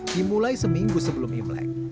dimulai seminggu sebelum imlek